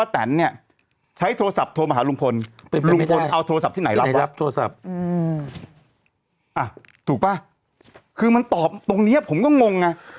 เข้าใจไหมฮะ